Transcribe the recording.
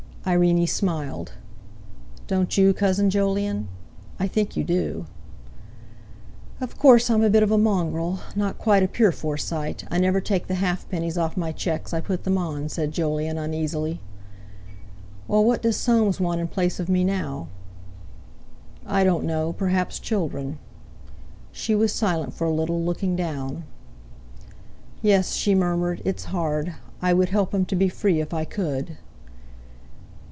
Irene smiled. "Don't you, Cousin Jolyon?—I think you do." "Of course, I'm a bit of a mongrel—not quite a pure Forsyte. I never take the halfpennies off my cheques, I put them on," said Jolyon uneasily. "Well, what does Soames want in place of me now?" "I don't know; perhaps children." She was silent for a little, looking down. "Yes," she murmured; "it's hard. I would help him to be free if I could."